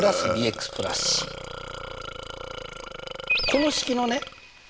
この式のね